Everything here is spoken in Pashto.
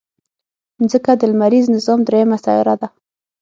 مځکه د لمریز نظام دریمه سیاره ده.